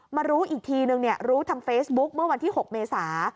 มารู้อีกทีนึงรู้ทางเฟซบุ๊กเมื่อวันที่๖เมษา